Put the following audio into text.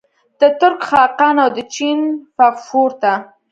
د ترک خاقان او د چین فغفور ته.